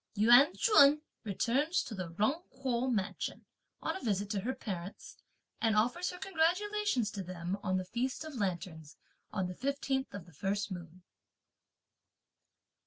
Yuan Ch'un returns to the Jung Kuo mansion, on a visit to her parents, and offers her congratulations to them on the feast of lanterns, on the fifteenth of the first moon.